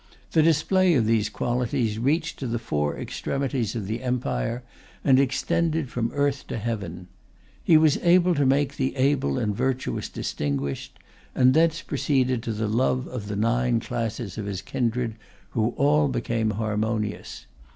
The display of these qualities reached to the four extremities of the empire, and extended from earth to heaven. He was able to make the able and virtuous distinguished, and thence proceeded to the love of the nine classes of his kindred, who all became harmonious.